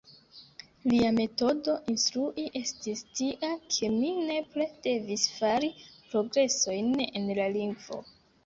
Lia metodo instrui estis tia, ke mi nepre devis fari progresojn en la lingvo.